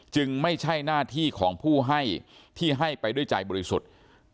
ไม่ใช่หน้าที่ของผู้ให้ที่ให้ไปด้วยใจบริสุทธิ์